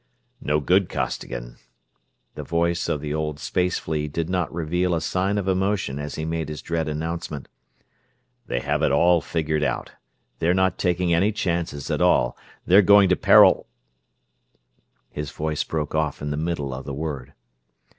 "No good, Costigan." The voice of the old space flea did not reveal a sign of emotion as he made his dread announcement. "They have it all figured out. They're not taking any chances at all they're going to paral...." His voice broke off in the middle of the word.